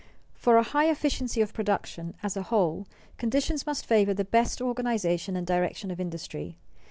_For a high efficiency of production, as a whole, conditions must favor the best organization and direction of industry.